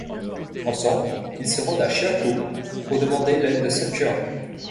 Ensemble, ils se rendent à Xiakou pour demander l’aide à Sun Quan.